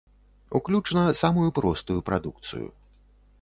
Уключна самую простую прадукцыю.